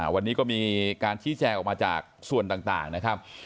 วันนี้ก็มีการชี้แจงออกมาจากส่วนต่างนะครับ